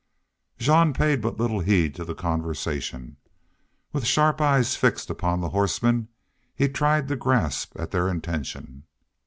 Jean paid but little heed to the conversation. With sharp eyes fixed upon the horsemen, he tried to grasp at their intention.